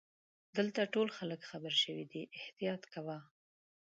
دلته ټول خلګ خبرشوي دي احتیاط کوه.